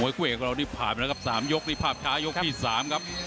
คู่เอกของเรานี่ผ่านไปแล้วครับ๓ยกนี่ภาพช้ายกที่๓ครับ